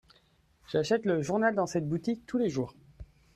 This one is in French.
J'achète le journal dans cette boutique tous les jours.